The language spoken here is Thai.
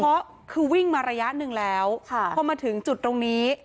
เพราะคือวิ่งมาระยะหนึ่งแล้วพอมาถึงจุดตรงนี้